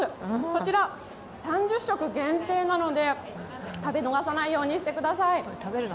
こちら３０食限定なので食べ逃さないようにしてください。